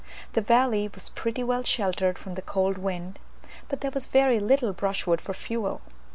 The valley was pretty well sheltered from the cold wind, but there was very little brushwood for fuel.